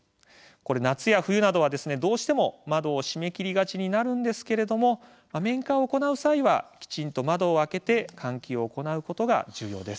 夏や冬などは、どうしても窓を閉めきりがちになるんですが面会を行う際は、きちんと窓を開けて換気を行うことが重要です。